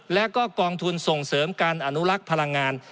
และก็กองทุนส่งเสริมการอนุลักษ์พลังงาน